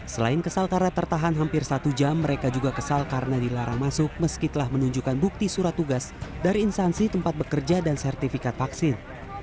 selain kesal karena tertahan hampir satu jam mereka juga kesal karena dilarang masuk meski telah menunjukkan bukti surat tugas dari instansi tempat bekerja dan sertifikat vaksin